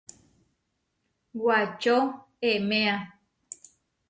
Wačo eméa.